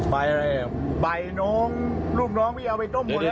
ใบอะไรอ่ะใบน้องลูกน้องพี่เอาไปต้มหมดเลย